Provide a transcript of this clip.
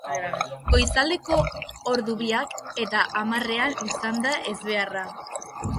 Goizaldeko ordu biak eta hamarrean izan da ezbeharra.